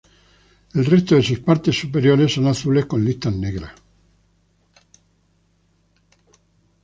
El resto de sus partes superiores son azules con listas negras.